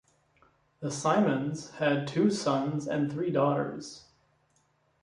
The Simons had two sons and three daughters.